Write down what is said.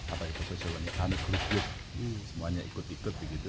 apa itu sosial media anak grup semuanya ikut ikut begitu